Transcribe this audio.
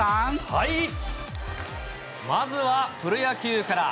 まずはプロ野球から。